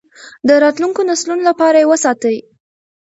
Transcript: د راتلونکو نسلونو لپاره یې وساتئ.